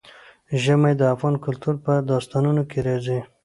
ژمی د افغان کلتور په داستانونو کې راځي.